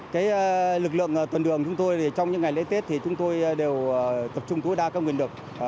cái lực lượng tuần đường chúng tôi thì trong những ngày lễ tết thì chúng tôi đều tập trung tối đa các nguyên lực